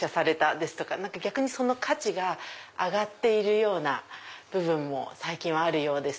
ですとかその価値が上がっている部分も最近はあるようです。